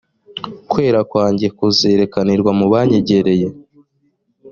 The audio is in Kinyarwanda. kwera kwanjye kuzerekanirwa mu banyegereye